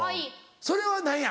それは何や？